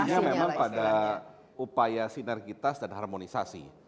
artinya memang pada upaya sinergitas dan harmonisasi